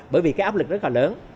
bởi vì cái áp lực rất là lớn